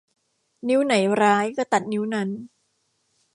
นิ้วไหนร้ายก็ตัดนิ้วนั้น